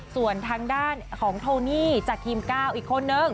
ส่วนทางด้านของโทนี่จากทีมก้าวอีกคนนึง